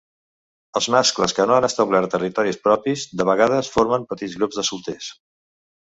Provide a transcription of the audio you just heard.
Els mascles que no han establert territoris propis, de vegades formen petits grups de solters.